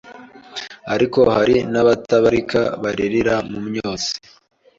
ariko hari n’abatabarika baririra mu myotsi